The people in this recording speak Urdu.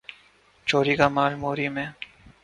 چوری کا مال موری میں